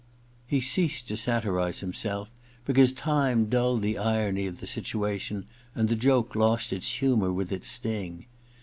He ceased to satirize himself because time dulled the irony of the situation and the joke lost its humour with its sting.